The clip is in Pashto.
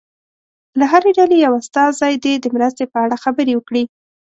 له هرې ډلې یو استازی دې د مرستې په اړه خبرې وکړي.